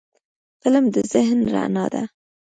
فلم د ذهن رڼا ده